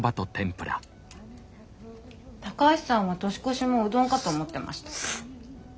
高橋さんは年越しもうどんかと思ってました。